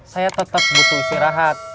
saya tetep butuh istirahat